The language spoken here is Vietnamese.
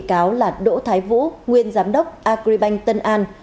bị cáo là đỗ thái vũ nguyên giám đốc agribank tân an